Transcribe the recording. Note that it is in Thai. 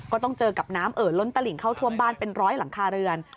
ก็ต้องเจอกับน้ำเอ่อล้นตลิ่งเข้าท่วมบ้านเป็นร้อยหลังคาเรือน